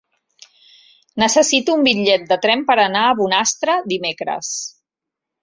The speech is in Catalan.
Necessito un bitllet de tren per anar a Bonastre dimecres.